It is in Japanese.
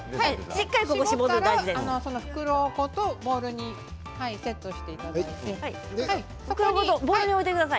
しっかり絞ったら袋ごとボウルにセットしていただいて。